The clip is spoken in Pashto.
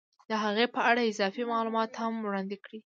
د هغې په اړه اضافي معلومات هم وړاندې کړي